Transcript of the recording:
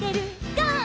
ゴー！」